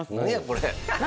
これ。